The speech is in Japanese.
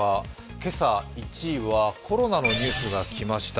今朝１位はコロナのニュースが来ました。